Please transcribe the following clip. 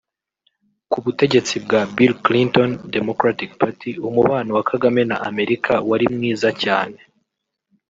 Ku butegetsi bwa Bill Clinton (Democratic Party) umubano wa Kagame na Amerika wari mwiza cyane